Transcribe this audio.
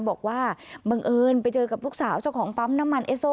บังเอิญไปเจอกับลูกสาวเจ้าของปั๊มน้ำมันเอสโซ